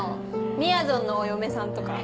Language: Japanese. みやぞんのお嫁さんとか？